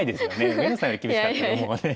上野さんより厳しかったらもうね。